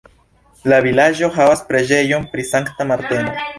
La vilaĝo havas preĝejon pri Sankta Marteno.